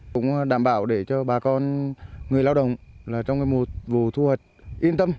cũng đảm bảo để cho bà con người lao động trong mùa vụ thu hoạch yên tâm